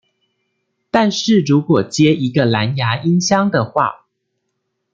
但是如果接一個藍芽音箱的話